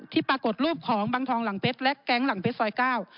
ที่ปรากฏรูปของบางทองหลังเป็ดและแก๊งหลังเป็ดซอย๙